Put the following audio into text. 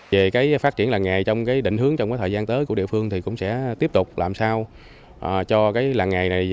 về phát triển làng nghề trong cái định hướng trong thời gian tới của địa phương thì cũng sẽ tiếp tục làm sao cho làng nghề này